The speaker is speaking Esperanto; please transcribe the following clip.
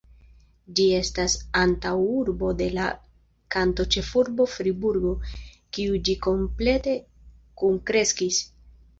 Ĝi estas antaŭurbo de la kantonĉefurbo Friburgo, kiu ĝi komplete kunkreskis.